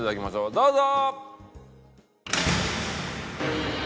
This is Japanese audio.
どうぞ！